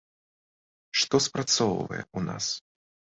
Што спрацоўвае ў нас?